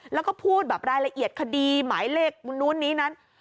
แล้วก็พูดแบบรายละเอียดคดีหมายเลขนู้นนี้นั้น